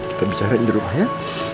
kita bicara dulu ya